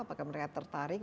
apakah mereka tertarik